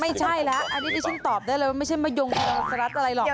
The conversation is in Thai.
ไม่ใช่แล้วอันนี้ดิฉันตอบได้เลยว่าไม่ใช่มะยงทองสรัสอะไรหรอก